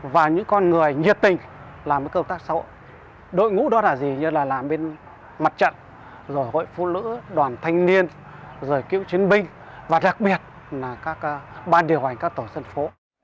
và đặc biệt là các ban điều hành các tổ dân phố